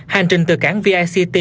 hành trình từ cảng vict